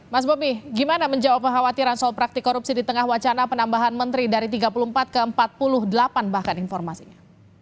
mas bobi gimana menjawab kekhawatiran soal praktik korupsi di tengah wacana penambahan menteri dari tiga puluh empat ke empat puluh delapan bahkan informasinya